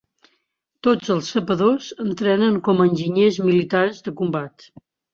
Tots els sapadors entrenen com a enginyers militars de combat.